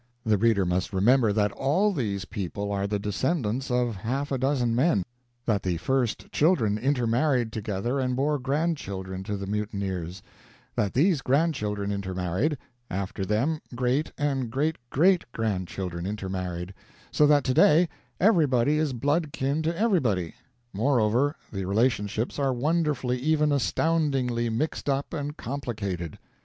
The reader must remember that all these people are the descendants of half a dozen men; that the first children intermarried together and bore grandchildren to the mutineers; that these grandchildren intermarried; after them, great and great great grandchildren intermarried; so that to day everybody is blood kin to everybody. Moreover, the relationships are wonderfully, even astoundingly, mixed up and complicated.